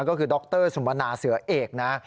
ก็คือดรสุมนาเสือเอกนะ